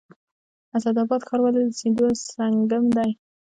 اسعد اباد ښار ولې د سیندونو سنگم دی؟